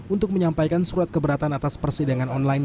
untuk menyampaikan surat keberatan atas persidangan online